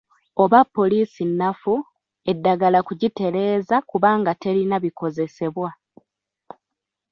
Oba poliisi nnafu, eddagala kugitereeza kubanga terina bikozesebwa.